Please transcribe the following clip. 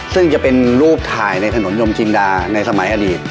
ซึ่งจะเป็นรูปถ่ายในถนนยมจินดาในสมัยอดีต